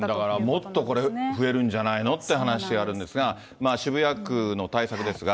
だからもっとこれ、増えるんじゃないのっていう話があるんですが、渋谷区の対策ですが。